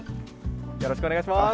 よろしくお願いします。